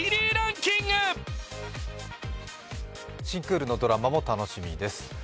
新クールのドラマも楽しみです。